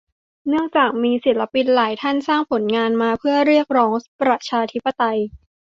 เนื่องจากมีศิลปินหลายท่านสร้างผลงานมาเพื่อเรียกร้องประชาธิปไตย